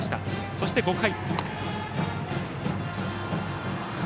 そして、５回。